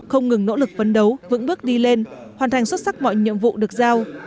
không ngừng nỗ lực vấn đấu vững bước đi lên hoàn thành xuất sắc mọi nhiệm vụ được giao